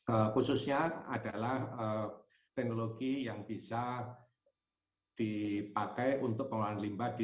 terkenal baik itu khususnya adalah teknologi yang bisa dipakai untuk pengolahan limbah di